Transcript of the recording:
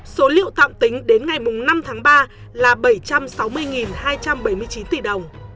số liệu tạm tính đến ngày năm tháng ba là bảy trăm sáu mươi hai trăm bảy mươi chín tỷ đồng